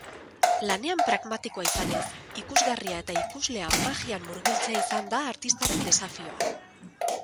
Lanean pragmatikoa izanez, ikusgarria eta ikuslea magian murgiltzea izan da artistaren desafioa.